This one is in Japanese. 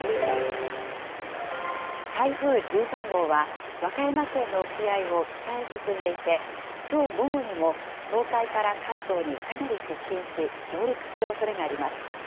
台風１３号は、和歌山県の沖合を北へ進んでいて、きょう午後にも東海から関東にかなり接近し、上陸するおそれがあります。